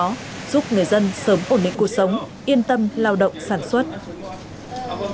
đó giúp người dân sớm ổn định cuộc sống yên tâm lao động sản xuất